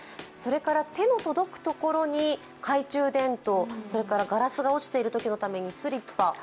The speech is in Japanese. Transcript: それから手の届くところに懐中電灯、それからガラスが落ちているときのためにスリッパ。